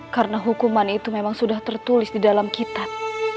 karena hukuman itu memang sudah tertulis di dalam kitab